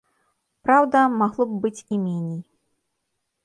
Праўда, магло б быць і меней.